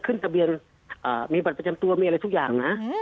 ขึ้นทะเบียนมีบัตรประจำตัวมีอะไรทุกอย่างนะ